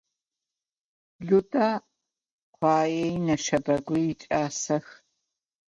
Lüda khuai neşşebegui yiç'asex.